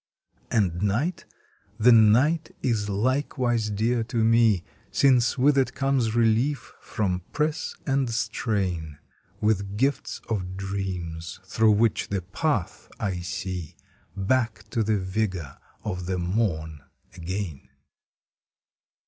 And night the night is likewise dear to me Since with it comes relief from press and strain, With gifts of dreams through which the path I see Back to the vigor of the morn again.